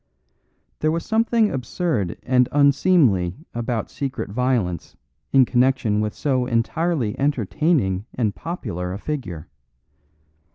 There was something absurd and unseemly about secret violence in connection with so entirely entertaining and popular a figure.